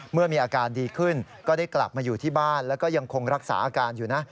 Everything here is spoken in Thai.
เมื่อมีอาการดีขึ้นก็ได้กลับมาอยู่ที่บ้านแล้วก็ยังคงรักษาอาการอยู่นะ